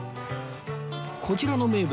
こちらの名物が